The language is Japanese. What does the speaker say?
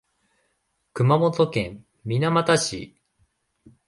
熊本県水俣市